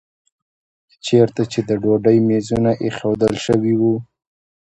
چېرته چې د ډوډۍ میزونه ایښودل شوي وو.